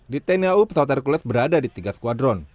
di tni au pesawat hercules berada di tiga skuadron